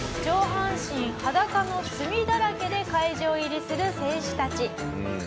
上半身裸の墨だらけで会場入りする選手たち。